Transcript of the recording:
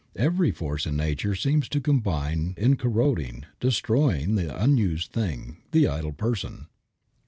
Every force in nature seems to combine in corroding, destroying the unused thing, the idle person.